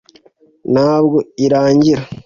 ntabwo irangira